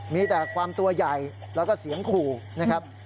มีแต่ความตัวใหญ่แล้วก็เสียงขู่นะครับ